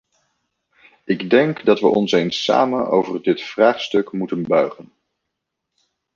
Ik denk dat we ons eens samen over dit vraagstuk moeten buigen.